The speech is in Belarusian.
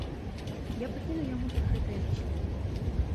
Я пакіну яму тут гэтае пісьмо.